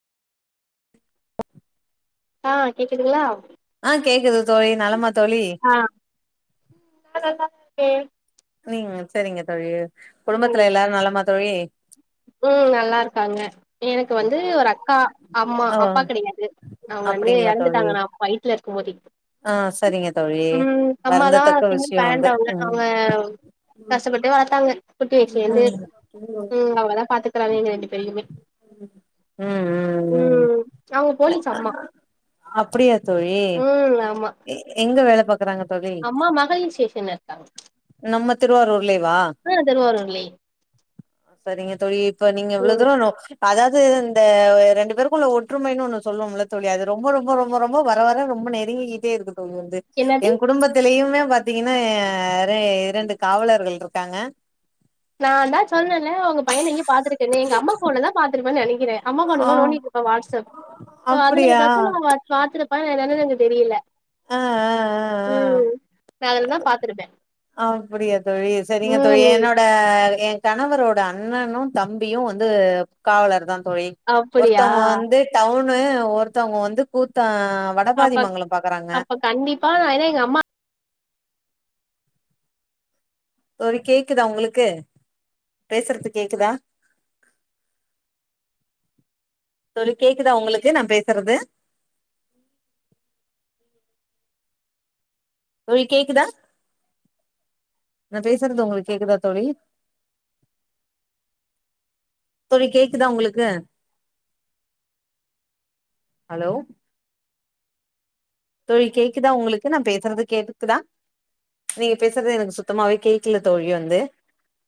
ஆ கேக்குதுங்களா ஆ கேக்குது தோழி நலமா தோழி ஆ நா நலல தா இருக்கே சரிங்க மேம் சரிங்க தோழி குடும்பத்துல எல்லாரூ நலமா தோழி ம் நல்லா இருக்காங்க எனக்கு வந்து ஒரு அக்கா அம்மா ஓ அப்பா கிடையாது அவங்க வந்து அப்டிங்களா தோழி எறந்துட்டாங்க நான்‌ ஃபை ஃபித்துல இருக்கும்போது ஆ சரிங்க தோழி ம் அம்மா தா வருந்தத்தக்க சிங்கிள் விஷயோ வந்து பேரண்டவங்க ம் அவங்க கஷ்டப்பட்டு வளர்த்தாங்க குட்டி வயஸ்லேர்ந்து ம் ம் அவங்கதா பாத்துக்கிறாங்க எங்க ரெண்டு பெருயுமோ ம் அவங்க போலீச் சம்மா அப்டியா தோழி ம் ஆமா எ எங்க வேல பாக் ராங்க தோழி அம்மா மகளிர் ஸ்டேஷன்ல இருக்காங் நம்ம திருவாரூர்லேவா ஆ திருவாரூர்லியே அ சரிங்க தோழி இப்ப நீங்க இவ்ளோ ம் தூரோ அதாவது இந்த ரெண்டு பேருக்குள்ள ஒற்றுமைன்னு ஒன்னு சொல்லுவோம்ல தோழி அது ரொம்ப ரொம்ப ரொம்ப ரொம்ப ரொம்ப வர வர ரொம்ப நெரூங்கிட்டே இருக்கு தோழி வந்து என்னது என் குடும்பத்திலயுமே பாார்த்தீங்கன்னா ‌அ இரண்டு காவலர்கள் இருக்காங்க நான்ந்தோ சொன்னேன்ல உங்க பையன எங்கயொ பாத்துருக்கேன்னு எங்க அம்மா ஃபோன்ல தா பாத்துருப்போன்னு நொனைக்கிறே அம்மா ஃபோண்ல ஆ தா நோன்டிட் இருப்போ வாட்ஸ்அப் சோ அதுல அப்டியா ஏதாச்சும் நம்ம பாத்துருப் அ என்னென்னு எனக்கு தெரியல ஆ ஆ ம் நா அதல தா பா்த்தருப்பே அ அப்படியா தொழி சரிங்க தொழி என்னோட ஏ கணவரோட அண்ணனூ தம்பியூ வந்து காவலர் தா தோழி அப்படியா ஒருத்தவங்க வந்து டவுனு ஒருத்தவங்க வந்து கூத்தா வட் அ பக் அப்ப கண்டிப்பா நா ஏனா எங்க அம்மா தோழி கேக்குதா உங்களுக்கு பேசுறது கேக்குதா தேழி கேக்குதா உங்களுக்கு நா பேசுறது தோழி கேக்குதா நா பேசுறது உங்களுக்கு கேக்குதா தோழி தோழி கேக்குதா உங்களுக்கு ஹலோ தோழி கேக்குதா உங்களுக்கு நா பேசுறது கேக்குதா நீங்க பேசுறது எனக்கு சுத்தமாவே கேக்குல தோழி வந்து